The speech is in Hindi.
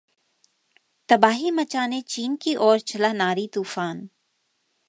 तबाही मचाने चीन की ओर चला नारी तूफान